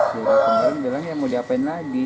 cuma kemarin bilang ya mau diapain lagi